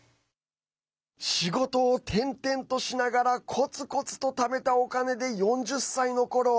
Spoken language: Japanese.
仕事を転々としながらコツコツとためたお金で４０歳のころ